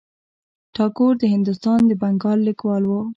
ټاګور د هندوستان د بنګال لیکوال و.